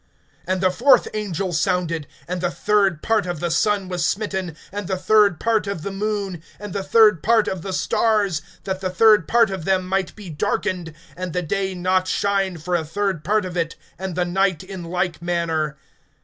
(12)And the fourth angel sounded; and the third part of the sun was smitten, and the third part of the moon, and the third part of the stars, that the third part of them might be darkened, and the day not shine for a third part of it, and the night in like manner.